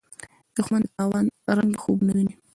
دښمن د تاوان رنګه خوبونه ویني